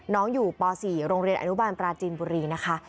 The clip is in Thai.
น้องอยู่ป๔โรงเรียนอนุบาลปราจีนบุรีนะคะ